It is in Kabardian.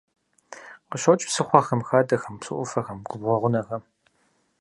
Къыщокӏ псыхъуэхэм, хадэхэм, псыӏуфэхэм, губгъуэ гъунэхэм.